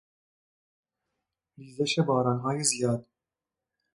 ریزش باران های زیاد